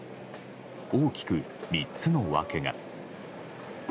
大きく３つの訳が。